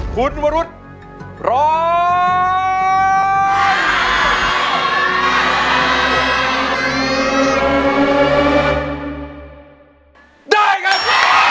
ขุนวรุษร้อง